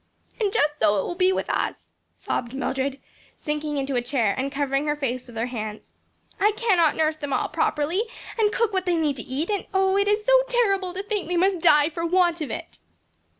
"And just so it will be with us," sobbed Mildred sinking into a chair and covering her face with her hands. "I cannot nurse them all properly, and cook what they need to eat; and oh, it is so terrible to think they must die for want of it."